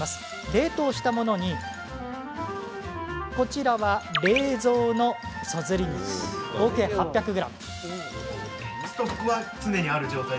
冷凍したものにこちらは冷蔵の、そずり肉合計８００ｇ。